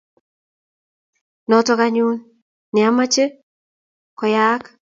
Notok anyun ne mache koyaak